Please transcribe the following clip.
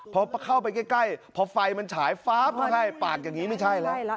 พอเข้าไปใกล้พอไฟมันฉายฟ้าบเข้าให้ปากอย่างนี้ไม่ใช่แล้ว